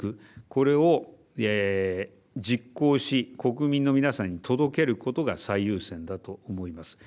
これを実行し国民の皆さんに届けることが最優先だと思います。